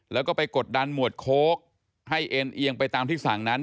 แล้วก็ไปกดดันหมวดโค้กให้เอ็นเอียงไปตามที่สั่งนั้น